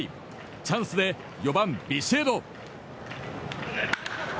チャンスで４番、ビシエド。